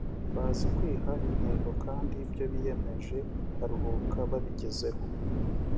bazi kwiha intego kandi ibyo biyemje baruhuka babigezeho